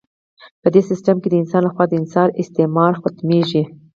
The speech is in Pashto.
په دې سیستم کې د انسان لخوا د انسان استثمار ختمیږي.